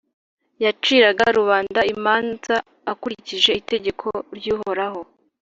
Yaciraga rubanda imanza akurikije itegeko ry’Uhoraho,